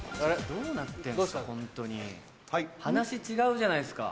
・どうなってんすかホントに・話違うじゃないっすか。